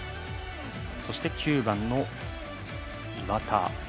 そして９番の岩田。